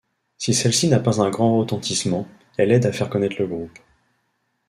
Si celle-ci n'a pas un grand retentissement, elle aide à faire connaître le groupe.